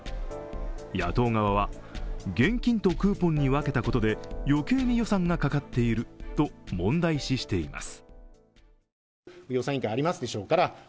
野党側は現金とクーポンに分けたことで余計に予算がかかっていると問題視しています。